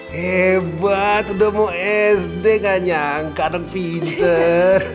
hebat udah mau sd nggak nyangka anak pinter